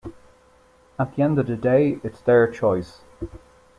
At the end of the day, it's their choice.